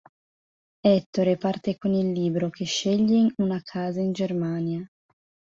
Ettore parte con il libro, che sceglie una casa in Germania.